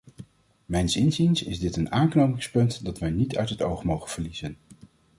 Mijns inziens is dit een aanknopingspunt dat wij niet uit het oog mogen verliezen.